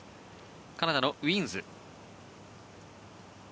カナダのウィーンズ。